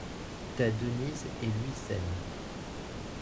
Ta Denise et lui s'aiment!